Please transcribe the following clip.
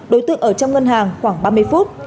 đối tượng ở trong ngân hàng khoảng ba mươi phút